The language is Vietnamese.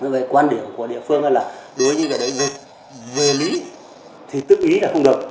vậy quan điểm của địa phương là đối với cái đấy về lý thì tức ý là không được